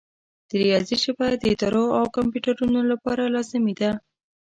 د ریاضي ژبه د ادارو او کمپیوټرونو لپاره لازمي ده.